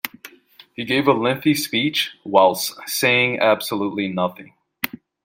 He gave a lengthy speech, whilst saying absolutely nothing.